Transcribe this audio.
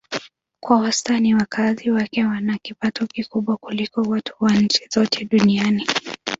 Kwa wastani wakazi wake wana kipato kikubwa kuliko watu wa nchi zote duniani.